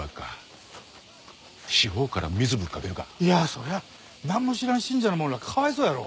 そりゃなんも知らん信者の者らがかわいそうやろ。